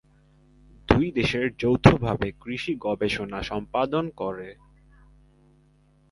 দুই দেশের যৌথভাবে কৃষি গবেষণা সম্পাদন করে।